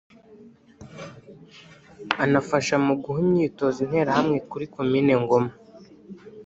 anafasha mu guha imyitozo interahamwe muri Komine Ngoma